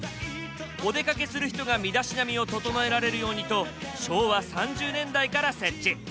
お出かけする人が身だしなみを整えられるようにと昭和３０年代から設置。